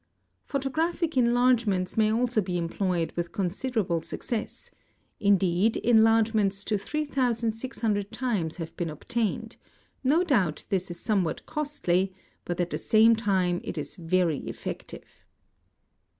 ! Photographic enlargements may also be employed with considerable success; indeed enlargements to 3600 times have been obtained; no doubt this is somewhat costly but at the same time it is very effective.